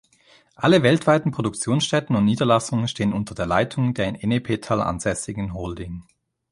Alle weltweiten Produktionsstätten und Niederlassungen stehen unter der Leitung der in Ennepetal ansässigen Holding.